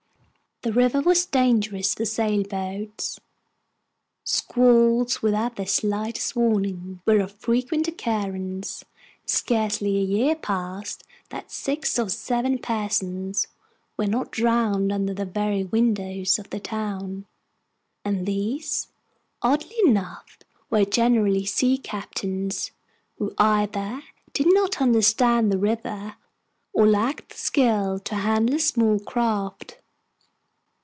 The river was dangerous for sailboats. Squalls, without the slightest warning, were of frequent occurrence; scarcely a year passed that six or seven persons were not drowned under the very windows of the town, and these, oddly enough, were generally sea captains, who either did not understand the river, or lacked the skill to handle a small craft.